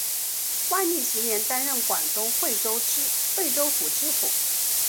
万历十年担任广东惠州府知府。